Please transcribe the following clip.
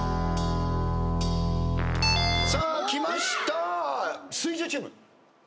さあきました水１０チーム。